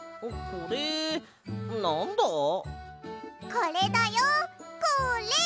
これだよこれ！